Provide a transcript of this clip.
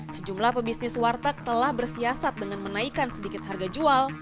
sejumlah pebisnis warteg telah bersiasat dengan menaikkan sedikit harga jual